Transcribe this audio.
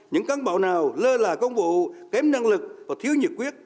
những cán bộ nào lơ là công vụ kém năng lực và thiếu nhiệt quyết